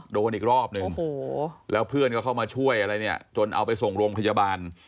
โดนอีกรอบนึงแล้วเพื่อนเขาเข้ามาช่วยจนเอาไปส่งโรงพยาบาล